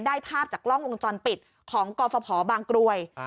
ภาพจากกล้องวงจรปิดของกฟภบางกรวย